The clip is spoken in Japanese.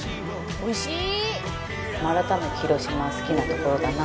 おいしい！